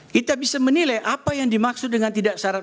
kita bisa menilai apa yang dimaksud dengan tidak saran